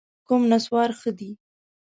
کوم نسوار ښه دي؟